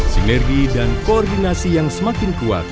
sinergi dan koordinasi yang semakin kuat